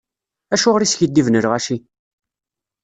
Acuɣer iskiddiben lɣaci?